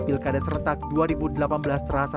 pilkada serentak dua ribu delapan belas terasa